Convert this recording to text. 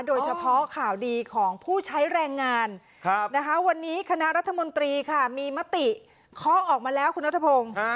โดยเฉพาะข่าวดีของผู้ใช้แรงงานวันนี้คณะรัฐมนตรีค่ะมีมติเคาะออกมาแล้วคุณนัทพงศ์